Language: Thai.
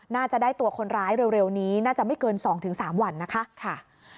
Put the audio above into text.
น่าจะได้ตัวคนร้ายเร็วนี้น่าจะไม่เกิน๒๓วันนะคะ